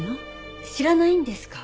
知らないんですか？